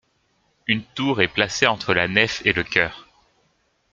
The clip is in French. Une tour est placée entre la nef et le chœur.